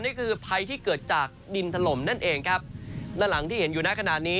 นี่คือภัยที่เกิดจากดินถล่มนั่นเองครับด้านหลังที่เห็นอยู่ในขณะนี้